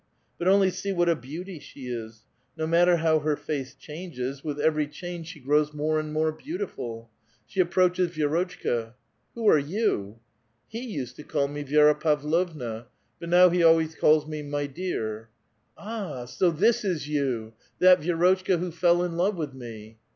But only see what a beauty she is I no matter how her face changes, with every change 104 A VITAL QUESTION. she ^ows more and more beautiful. She approaches Vi^ rulchkti. *' Who are vou?" *•//« used to call me Vi^ra Pavlovna ; but now he always calls me ' My dear [J/oV drug], ^* Ah ! so this is you ! that Vi^rotchka who fell in love with me?"